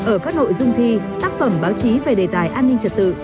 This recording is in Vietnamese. ở các nội dung thi tác phẩm báo chí về đề tài an ninh trật tự